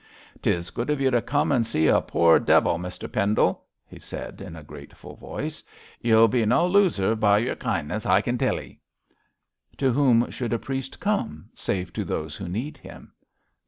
''Tis good of you to come and see a poor devil, Mr Pendle,' he said in a grateful voice. 'Y'll be no loser by yer kin'ness, I can tell y'.' 'To whom should a priest come, save to those who need him?'